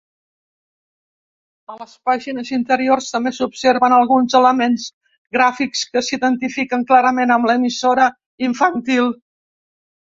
A les pàgines interiors també s'observen alguns elements gràfics que s'identifiquen clarament amb l'emissora infantil.